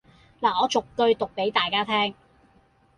拿我逐句讀俾大家聽